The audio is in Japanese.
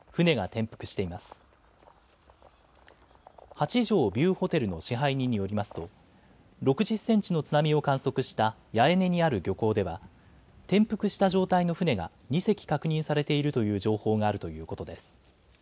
八丈ビューホテルの支配人によりますと６０センチの津波を観測した八重根にある漁港では転覆した状態の船が２隻確認されているという情報があるということです。